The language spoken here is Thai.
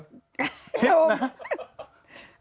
แค่ดูนะ